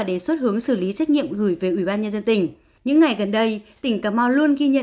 đề xuất hướng xử lý trách nhiệm gửi về ubnd những ngày gần đây tỉnh cà mau luôn ghi nhận